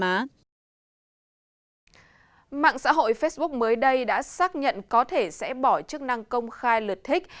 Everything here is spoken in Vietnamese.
mạng xã hội facebook mới đây đã xác nhận có thể sẽ bỏ chức năng công khai lượt thích